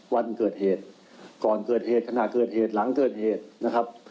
วันเกิดเหตุก่อนเกิดเหตุขณะเกิดเหตุหลังเกิดเหตุนะครับ